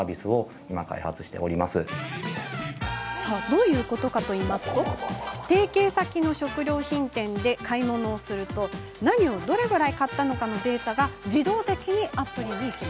どういうことかといいますと提携先の食料品店で買い物をすると何をどのくらい買ったのかのデータが自動的にアプリへ。